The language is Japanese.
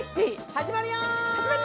始まるよ！